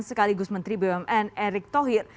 sekaligus menteri bumn erick thohir